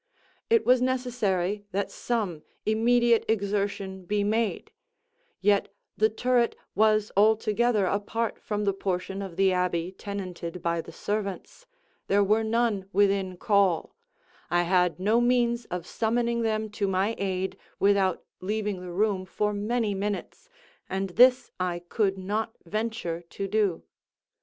It was necessary that some immediate exertion be made; yet the turret was altogether apart from the portion of the abbey tenanted by the servants—there were none within call—I had no means of summoning them to my aid without leaving the room for many minutes—and this I could not venture to do.